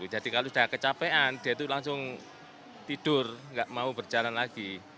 jadi kalau sudah kecapean dia itu langsung tidur gak mau berjalan lagi